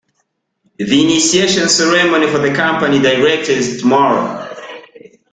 The initiation ceremony for the company director is tomorrow.